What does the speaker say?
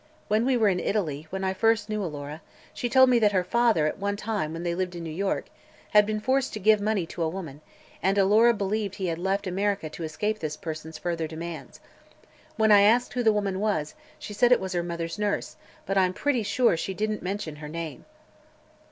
When we were in Italy, where I first knew Alora, she told me that her father, at one time when they lived in New York, had been forced to give money to a woman, and Alora believed he had left America to escape this person's further demands. When I asked who the woman was, she said it was her mother's nurse; but I'm pretty sure she didn't mention her name."